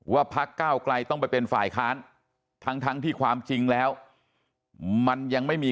พักก้าวไกลต้องไปเป็นฝ่ายค้านทั้งที่ความจริงแล้วมันยังไม่มี